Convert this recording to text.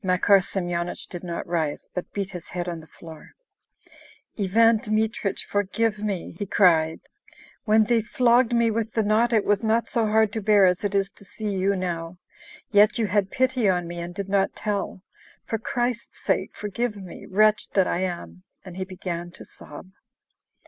Makar Semyonich did not rise, but beat his head on the floor. "Ivan Dmitrich, forgive me!" he cried. "When they flogged me with the knot it was not so hard to bear as it is to see you now ... yet you had pity on me, and did not tell. For Christ's sake forgive me, wretch that I am!" And he began to sob.